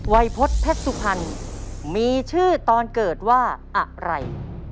วัยพจน์แพทย์สุพรรณมีชื่อตอนเกิดว่าอะไร